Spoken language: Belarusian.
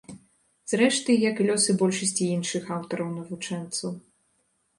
Зрэшты, як і лёсы большасці іншых аўтараў-навучэнцаў.